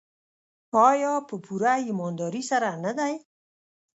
آیا په پوره ایمانداري سره نه دی؟